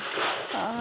ああ。